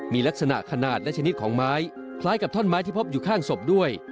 มีลักษณะขนาดและชนิดของไม้คล้ายกับท่อนไม้ที่พบอยู่ข้างศพด้วย